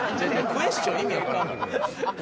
クエスチョン意味わからんから。